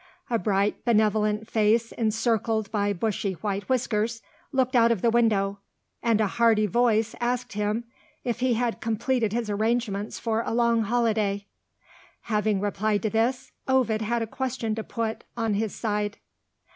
A bright benevolent face encircled by bushy white whiskers, looked out of the window, and a hearty voice asked him if he had completed his arrangements for a long holiday. Having replied to this, Ovid had a question to put, on his side.